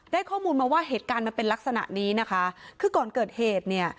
ข้อมูลมาว่าเหตุการณ์มันเป็นลักษณะนี้นะคะคือก่อนเกิดเหตุเนี่ย